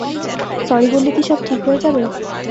Sorry বললে কি সব ঠিক হয়ে যাবে?